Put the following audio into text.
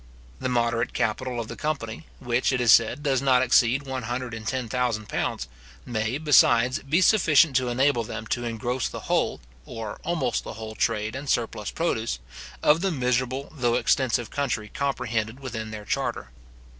The moderate capital of the company, which, it is said, does not exceed one hundred and ten thousand pounds, may, besides, be sufficient to enable them to engross the whole, or almost the whole trade and surplus produce, of the miserable though extensive country comprehended within their charter.